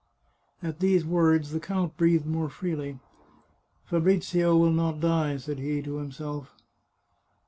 " At these words the count breathed more freely. " Fa brizio will not die," said he to himself.